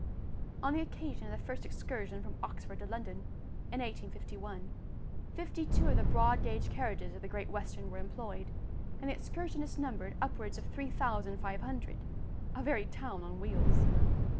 On the occasion of the first excursion from Oxford to London, in 1851, fifty two of the broad gauge carriages of the Great Western were employed, and the excursionists numbered upwards of three thousand five hundred a very town on wheels!